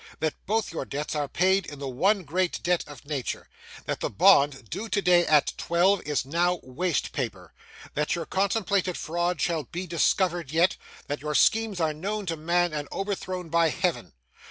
That both your debts are paid in the one great debt of nature. That the bond, due today at twelve, is now waste paper. That your contemplated fraud shall be discovered yet. That your schemes are known to man, and overthrown by Heaven.